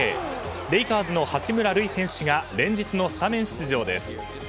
レイカーズの八村塁選手が連日のスタメン出場です。